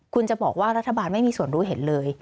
คุณจะบอกว่ารัฐบาลไม่มีส่วนรู้เห็นเลย